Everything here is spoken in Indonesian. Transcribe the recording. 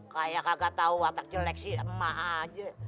kayak kagak tahu atap jelek si emak aja